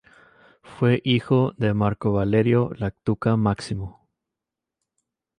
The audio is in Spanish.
Fue hijo de Marco Valerio Lactuca Máximo.